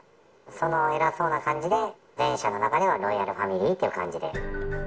その偉そうな感じで、全社の中ではロイヤルファミリーっていう感じで。